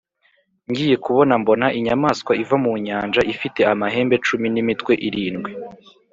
ngiye kubona mbona inyamaswa iva mu nyanja ifite amahembe cumi n’imitwe irindwi.